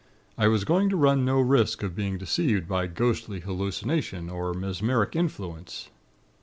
I was going to run no risk of being deceived by ghostly hallucination, or mesmeric influence.